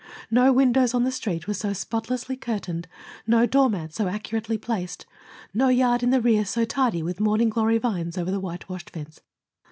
No windows on the Street were so spotlessly curtained, no doormat so accurately placed, no "yard" in the rear so tidy with morning glory vines over the whitewashed fence.